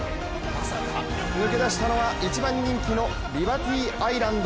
抜け出したのは一番人気のリバティアイランド。